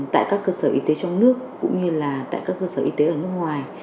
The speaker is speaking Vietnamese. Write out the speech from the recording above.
tại các cơ sở y tế trong nước cũng như là tại các cơ sở y tế ở nước ngoài